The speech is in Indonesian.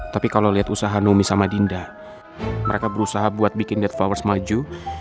tapi kalau liat usaha nomi sama dinda mereka berusaha buat bikin dead flowers maju